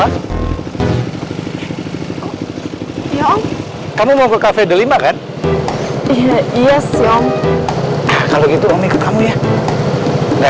algo kamu mau ke cafe ma kan ya trien kalau gitu mungkin kamu nya